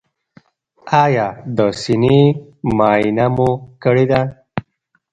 ایا د سینې معاینه مو کړې ده؟